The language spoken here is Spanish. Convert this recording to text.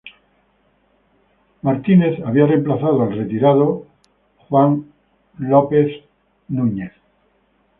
Felton había reemplazado al retirado Wayne E. Bennett.